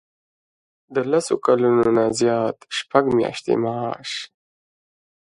د لس کلونو نه زیات شپږ میاشتې معاش.